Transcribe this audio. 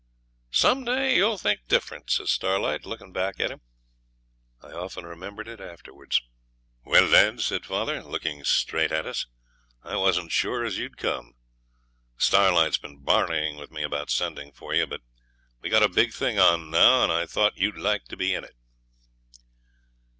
'Some day you'll think different,' says Starlight, looking back at him. I often remembered it afterwards. 'Well, lads,' says father, looking straight at us, 'I wasn't sure as you'd come. Starlight has been barneying with me about sending for you. But we've got a big thing on now, and I thought you'd like to be in it.'